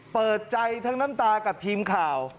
เปิดใจทั้งน้ำตากับทีมข่าว